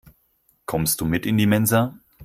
Kommst du mit in die Mensa?